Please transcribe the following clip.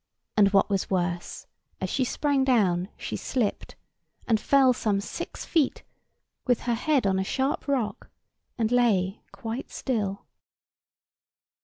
and what was worse, as she sprang down, she slipped, and fell some six feet, with her head on a sharp rock, and lay quite still.